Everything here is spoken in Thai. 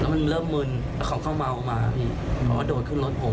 แล้วมันเริ่มมืนแล้วเขาเข้าเมามาพี่บอกว่าโดดขึ้นรถผม